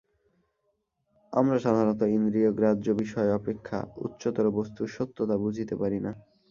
আমরা সাধারণত ইন্দ্রিয়গ্রাহ্য বিষয় অপেক্ষা উচ্চতর বস্তুর সত্যতা বুঝিতে পারি না।